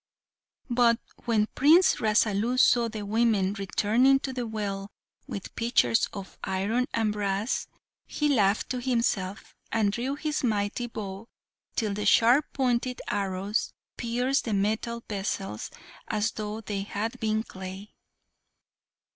But when Prince Rasalu saw the women returning to the well with pitchers of iron and brass, he laughed to himself, and drew his mighty bow till the sharp pointed arrows pierced the metal vessels as though they had been clay.